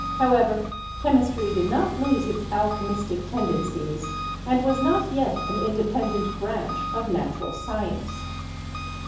However, chemistry did not lose its alchemistic tendencies and was not yet an independent branch of natural science.